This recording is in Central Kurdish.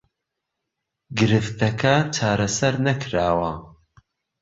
گرفتەکە چارەسەر نەکراوە